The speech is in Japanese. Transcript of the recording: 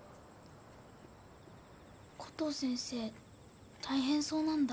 コトー先生大変そうなんだ。